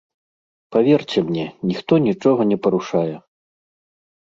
Паверце мне, ніхто нічога не парушае.